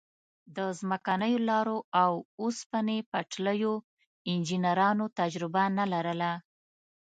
د ځمکنیو لارو او اوسپنې پټلیو انجنیرانو تجربه نه لرله.